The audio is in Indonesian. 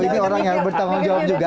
ini orang yang bertanggung jawab juga